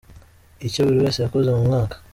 Icyo buri wese yakoze mu mwaka.